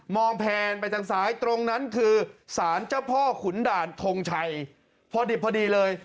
องแพนไปทางซ้ายตรงนั้นคือสารเจ้าพ่อขุนด่านทงชัยพอดิบพอดีเลย